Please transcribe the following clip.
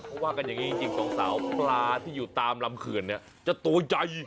เพราะว่ากันอย่างนี้จริงสองสาวปลาที่อยู่ตามลำเขื่อนเนี่ยจะตัวใหญ่